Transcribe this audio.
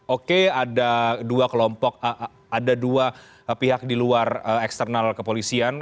oke ada dua kelompok ada dua pihak di luar eksternal kepolisian